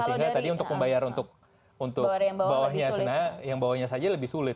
sehingga tadi untuk membayar untuk bawahnya saja lebih sulit